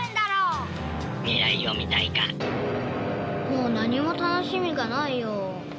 もう何も楽しみがないよ。